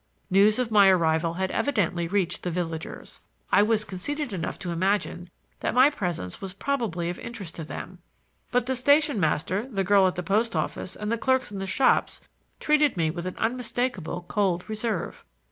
News of my arrival had evidently reached the villagers; I was conceited enough to imagine that my presence was probably of interest to them; but the station master, the girl at the post office and the clerks in the shops treated me with an unmistakable cold reserve.